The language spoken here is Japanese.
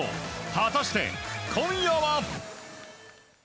果たして、今夜は。